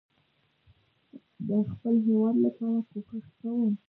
ده خپل هيواد لپاره کوښښ کوم